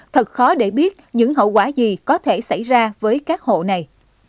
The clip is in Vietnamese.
thật khó để biết những hậu quả gì có thể xảy ra với các hộ này